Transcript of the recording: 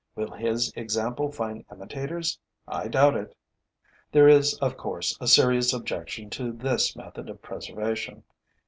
Will his example find imitators? I doubt it. There is, of course, a serious objection to this method of preservation.